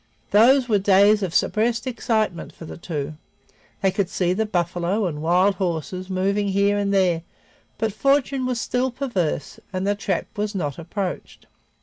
Those were days of suppressed excitement for the two; they could see the buffalo and wild horses moving here and there, but fortune was still perverse and the trap was not approached.